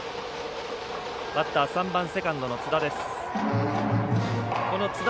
バッター、３番セカンドの津田。